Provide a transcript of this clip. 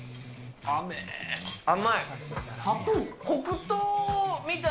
甘い。